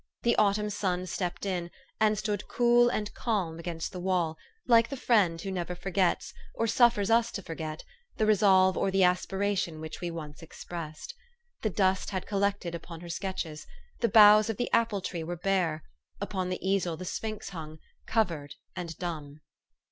The autumn sun stepped in, and stood cool and calm against the wall, like the friend who never forgets, or suffers us to forget, the resolve or the aspiration which we once expressed. The dust had collected upon her sketches; the boughs of the apple tree were bare ; upon the easel the sphinx hung, covered and dumb.